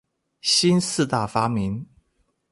新四大發明